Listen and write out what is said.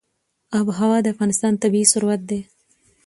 آب وهوا د افغانستان طبعي ثروت دی.